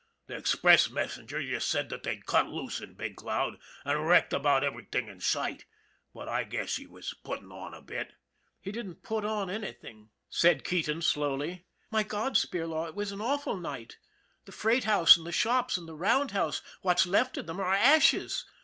The ex press messenger just said they'd cut loose in Big Cloud and wrecked about everything in sight, but I guess he was puttin' it on a bit." " He didn't put on anything," said Keating slowly. " My God, Spirlaw, it was an awful night ! The freight house and the shops and the roundhouse, what's left of them, are ashes.